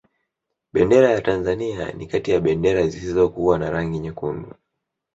bendera ya tanzania ni kati ya bendera zisizokuwa na rangi nyekundu